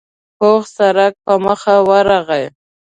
پوخ سړک په مخه ورغی.